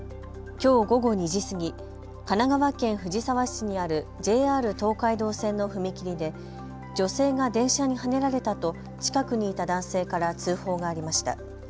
きょう午後２時過ぎ、神奈川県藤沢市にあるＪＲ東海道線の踏切で女性が電車にはねられたと近くにいた男性から通報がありました。